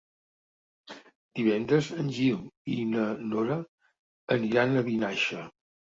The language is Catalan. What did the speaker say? Divendres en Gil i na Nora aniran a Vinaixa.